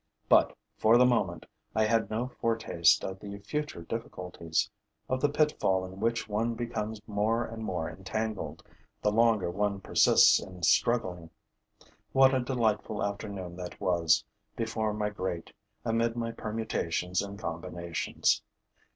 But, for the moment, I had no foretaste of the future difficulties, of the pitfall in which one becomes more and more entangled, the longer one persists in struggling. What a delightful afternoon that was, before my grate, amid my permutations and combinations!